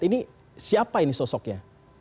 ini siapa ini sosoknya